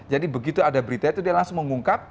jadi begitu ada berita itu dia langsung mengungkap